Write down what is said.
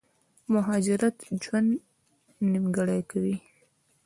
مهاجرت ژوند نيمګړی کوي